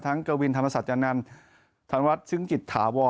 ทั้งเกวินธรรมสัจยะนันท์ธรรมรัฐซึ้งจิตถาวร